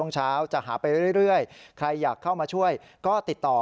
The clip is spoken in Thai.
เช้าจะหาไปเรื่อยใครอยากเข้ามาช่วยก็ติดต่อ